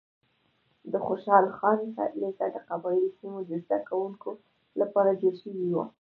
د خوشحال خان لیسه د قبایلي سیمو د زده کوونکو لپاره جوړه شوې وه.